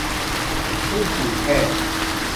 ซึ่งฉีดแค่